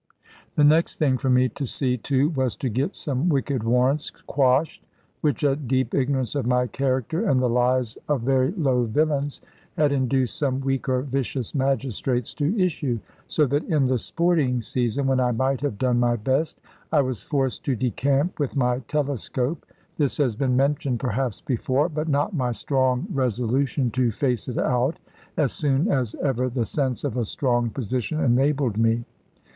The next thing for me to see to was to get some wicked warrants quashed; which a deep ignorance of my character, and the lies of very low villains, had induced some weak or vicious magistrates to issue; so that in the sporting season (when I might have done my best), I was forced to decamp with my telescope. This has been mentioned perhaps before; but not my strong resolution to face it out, as soon as ever the sense of a strong position enabled me.